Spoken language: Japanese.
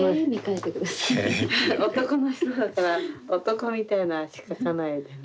男の人だから男みたいな足描かないでね。